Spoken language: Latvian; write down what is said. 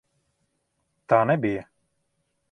Tā nebija!